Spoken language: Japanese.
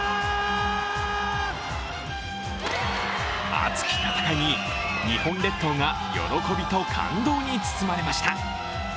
熱き戦いに日本列島が喜びと感動に包まれました。